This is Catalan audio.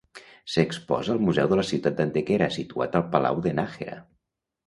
S'exposa al Museu de la Ciutat d'Antequera, situat al Palau de Nájera.